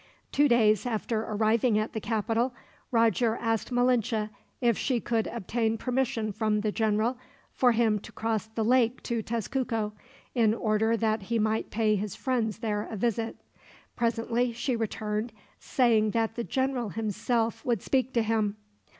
Two days after arriving at the capital, Roger asked Malinche if she could obtain permission from the general for him to cross the lake to Tezcuco, in order that he might pay his friends there a visit. Presently she returned, saying that the general himself would speak to him.